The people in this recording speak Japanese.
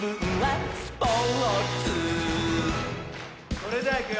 それじゃいくよ